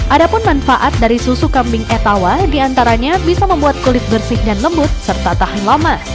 ada pun manfaat dari susu kambing etawa diantaranya bisa membuat kulit bersih dan lembut serta tahan lama